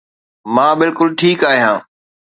مان بلڪل ٺيڪ آهيان